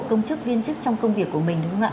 công chức viên chức trong công việc của mình